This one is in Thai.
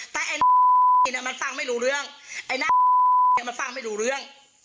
แต่ไอ้เนี้ยมันฟังไม่รู้เรื่องไอ้มาฟังไม่รู้เรื่อง